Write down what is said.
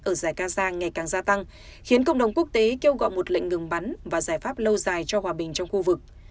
ở giải gaza ngày càng gia tăng khiến cộng đồng quốc tế kêu gọi một lệnh ngừng bắn và giải pháp lâu dài cho hòa bình trong khu vực